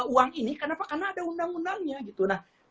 uang ini kenapa karena ada undang undangnya gitu